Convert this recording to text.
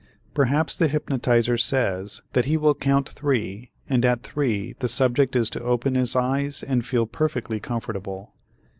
Perhaps the hypnotizer says that he will count three and at three the subject is to open his eyes and feel perfectly comfortable.